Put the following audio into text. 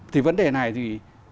thì vấn đề này thì